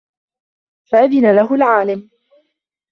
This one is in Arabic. فَأَذِنَ لَهُ الْعَالِمُ